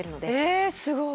えすごい！